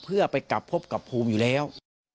เพื่อไปกลับพบกับภูมิอยู่แล้ว